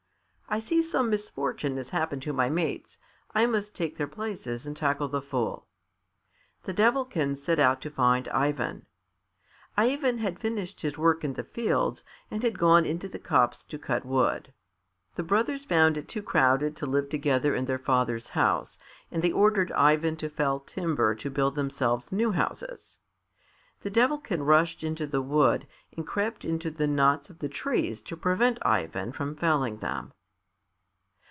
"I see some misfortune has happened to my mates. I must take their places and tackle the Fool." The Devilkin set out to find Ivan. Ivan had finished his work in the fields and had gone into the copse to cut wood. The brothers found it too crowded to live together in their father's house and they ordered Ivan to fell timber to build themselves new houses. The Devilkin rushed into the wood and crept into the knots of the trees to prevent Ivan from felling them.